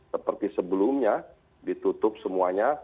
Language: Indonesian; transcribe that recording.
seperti sebelumnya ditutup semuanya